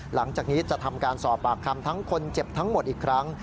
หลังจากนี้จะทำการสอบปากคำทั้งคนเจ็บทั้งหมดอีกครั้ง